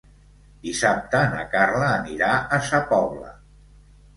Dissabte na Carla anirà a Sa Pobla.